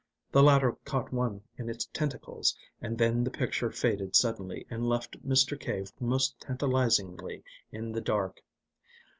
The latter caught one in its tentacles, and then the picture faded suddenly and left Mr. Cave most tantalisingly in the dark.